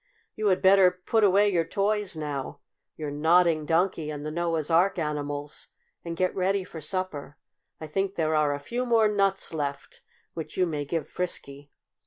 You had better put away your toys now your Nodding Donkey and the Noah's Ark animals and get ready for supper. I think there are a few more nuts left which you may give Frisky."